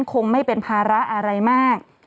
คงไม่เป็นภาระอะไรมาก